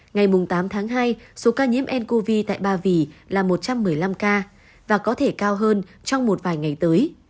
ngày tám tháng hai số ca nhiễm ncov tại ba vì là một trăm một mươi năm ca và có thể cao hơn trong một vài ngày tới